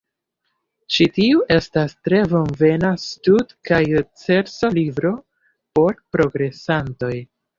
Ĉi tiu estas tre bonvena stud- kaj ekzerco-libro por progresantoj.